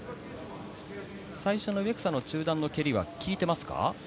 最初の植草の中段の蹴りはきいていますか？